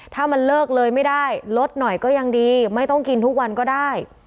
ถ้ามันเลิกเลยไม่ได้ลดหน่อยก็ยังดีไม่ต้องกินทุกวันก็ได้